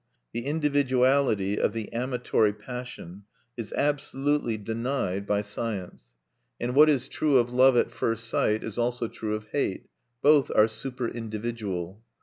The individuality of the amatory passion is absolutely denied by science; and what is true of love at first sight is also true of hate: both are superindividual.